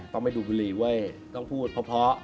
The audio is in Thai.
ต้องไปดูบุรีเว้ยต้องพูดเพราะ